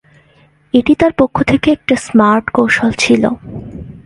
এটি তাঁর পক্ষ থেকে একটি স্মার্ট কৌশল ছিল।